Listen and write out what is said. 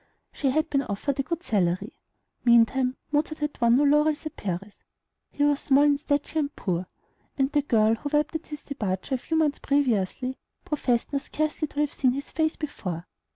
She had been offered a good salary. Meantime Mozart had won no new laurels at Paris. He was small in stature, and poor; and the girl who wept at his departure a few months previously professed now scarcely to have seen his face before.